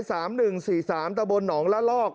สามหนึ่งสี่สามตะบนหนองละลอก